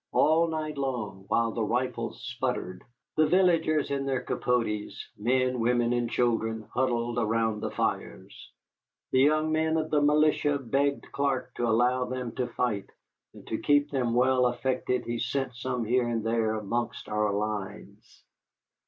All night long, while the rifles sputtered, the villagers in their capotes men, women, and children huddled around the fires. The young men of the militia begged Clark to allow them to fight, and to keep them well affected he sent some here and there amongst our lines.